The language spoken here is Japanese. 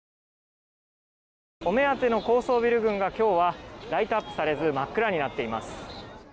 お目当ての高層ビル群が今日はライトアップされず真っ暗になっています。